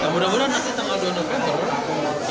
mudah mudahan nanti tanggal dua november